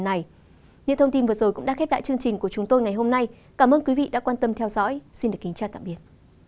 những thông tin vừa rồi cũng đã khép lại chương trình của chúng tôi ngày hôm nay cảm ơn quý vị đã quan tâm theo dõi xin kính chào tạm biệt